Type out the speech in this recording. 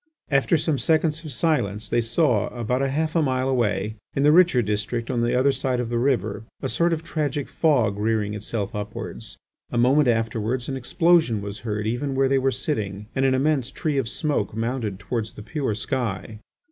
After some seconds of silence they saw about half a mile away, in the richer district on the other side of the river, a sort of tragic fog rearing itself upwards. A moment afterwards an explosion was heard even where they were sitting, and an immense tree of smoke mounted towards the pure sky.